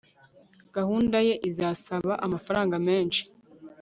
gahunda ye izasaba amafaranga menshi